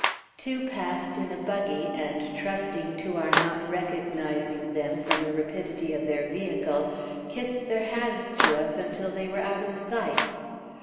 Two passed in a buggy, and trusting to our not recognizing them from the rapidity of their vehicle, kissed their hands to us until they were out of sight!